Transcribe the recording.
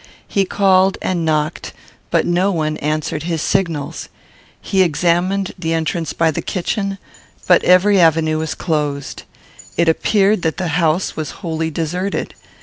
He called and knocked, but no one answered his signals. He examined the entrance by the kitchen, but every avenue was closed. It appeared that the house was wholly deserted.